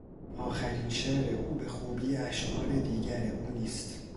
آخرین شعر او به خوبی اشعار دیگر او نیست.